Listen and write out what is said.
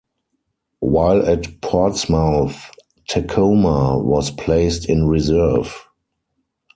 While at Portsmouth, "Tacoma" was placed in reserve.